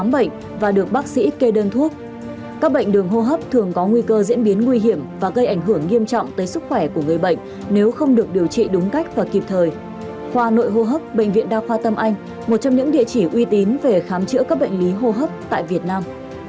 bệnh viện đa khoa tâm anh một trong những địa chỉ uy tín về khám chữa các bệnh lý hô hấp tại việt nam